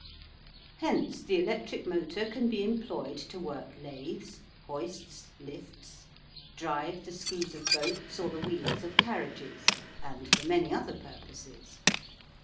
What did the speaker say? Hence the electric motor can be employed to work lathes, hoists, lifts, drive the screws of boats or the wheels of carriages, and for many other purposes.